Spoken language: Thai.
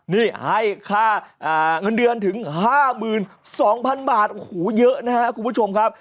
นี่ให้ค่าเงินเดือนถึง๕๒๐๐๐บาทโอ้โหเยอะนะครับคุณผู้ชมครับ